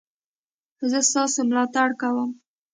زه ستاسو ملاتړ کوم